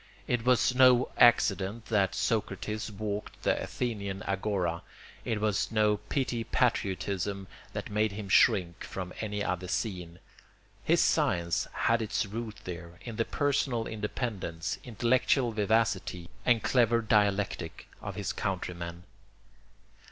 It was no accident that Socrates walked the Athenian agora; it was no petty patriotism that made him shrink from any other scene. His science had its roots there, in the personal independence, intellectual vivacity, and clever dialectic of his countrymen.